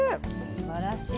すばらしい。